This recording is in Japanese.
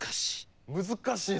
難しい。